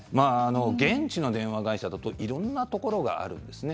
現地の電話会社だと色んなところがあるんですね。